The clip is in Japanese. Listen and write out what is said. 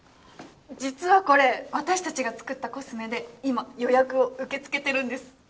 実はこれ私たちが作ったコスメで今予約を受け付けてるんです。